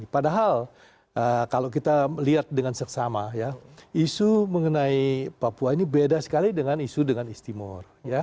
padahal kalau kita melihat dengan seksama isu mengenai papua ini beda sekali dengan isu dengan istimor